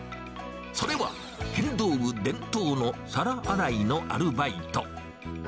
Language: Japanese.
それは、剣道部伝統の皿洗いのアルバイト。